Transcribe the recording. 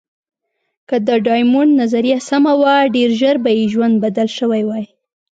که د ډایمونډ نظریه سمه وه، ډېر ژر به یې ژوند بدل شوی وای.